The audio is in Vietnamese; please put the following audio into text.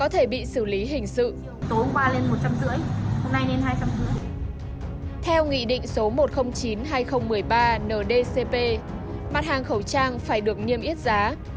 theo nghị định số một trăm linh chín hai nghìn một mươi ba ndcp mặt hàng khẩu trang phải được niêm yết giá